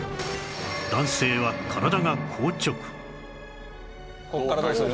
男性は体が硬直